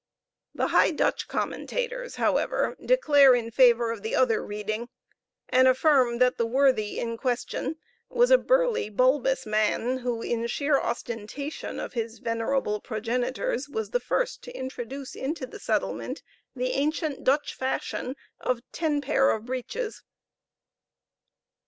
The High Dutch commentators, however, declare in favor of the other reading, and affirm that the worthy in question was a burly, bulbous man, who, in sheer ostentation of his venerable progenitors, was the first to introduce into the settlement the ancient Dutch fashion of ten pair of breeches.